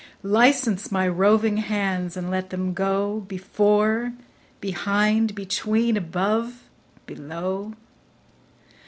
Licence my roving hands, and let them go Before, behind, between, above, below.